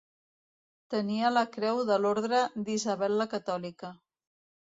Tenia la Creu de l'Orde d'Isabel la Catòlica.